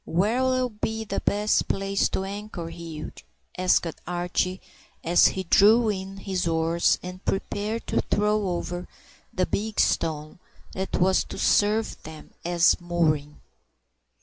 "Where'll be the best place to anchor, Hugh?" asked Archie, as he drew in his oars, and prepared to throw over the big stone that was to serve them as a mooring.